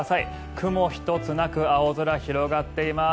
雲一つなく青空、広がっています。